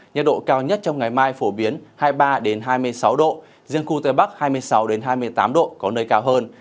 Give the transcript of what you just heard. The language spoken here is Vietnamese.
nhiệt độ cao nhất trong ngày mai phổ biến hai mươi ba hai mươi sáu độ riêng khu tây bắc hai mươi sáu hai mươi tám độ có nơi cao hơn